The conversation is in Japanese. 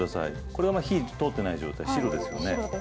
これまだ火が通っていない状態白ですよね。